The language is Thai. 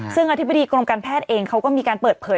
ซึ่งอธิบดีกรมการแพทย์เองเขาก็มีการเปิดเผย